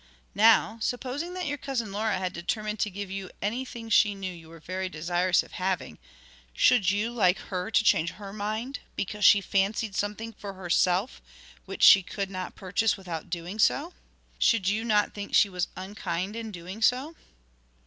Now, supposing that your Cousin Laura had determined to give you anything she knew you were very desirous of having, should you like her to change her mind, because she fancied something for herself which she could not purchase without doing so? Should you not think she was unkind in doing so?'